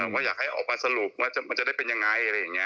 ว่าอยากให้ออกมาสรุปว่ามันจะได้เป็นยังไงอะไรอย่างนี้